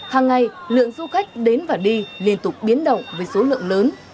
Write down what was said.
hàng ngày lượng du khách đến và đi liên tục biến động với số lượng lớn